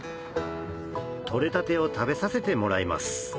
取れたてを食べさせてもらいます